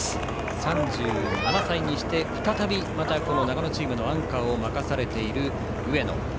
３７歳にして再びまた長野チームのアンカーを任されている、上野。